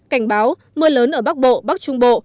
cảnh báo mưa lớn ở bắc bộ bắc trung bộ